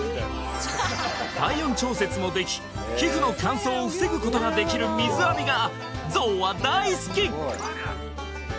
体温調節もでき皮膚の乾燥を防ぐことができる水浴びがゾウは大好き！